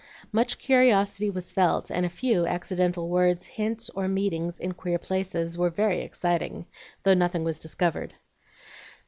Much curiosity was felt, and a few accidental words, hints, or meetings in queer places, were very exciting, though nothing was discovered.